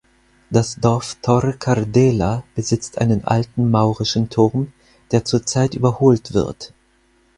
Das Dorf Torre-Cardela besitzt einen alten maurischen Turm, der zurzeit überholt wird.